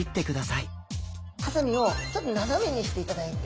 ハサミをちょっと斜めにしていただいて。